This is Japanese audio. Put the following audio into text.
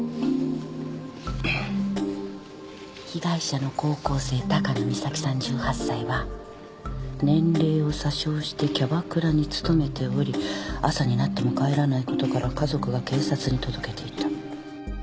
「被害者の高校生高野美咲さん１８歳は年齢を詐称してキャバクラに勤めており朝になっても帰らないことから家族が警察に届けていた」